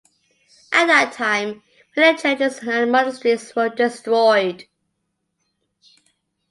At that time many churches and monasteries were destroyed.